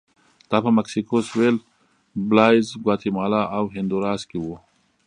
دا په مکسیکو سوېل، بلایز، ګواتیمالا او هندوراس کې و